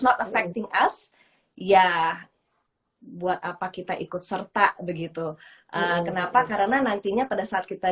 not affecting as ya buat apa kita ikut serta begitu kenapa karena nantinya pada saat kita